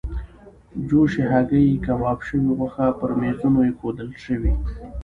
جوشې هګۍ، کباب شوې غوښه پر میزونو ایښودل شوې.